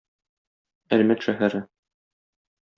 Әлмәт шәһәре.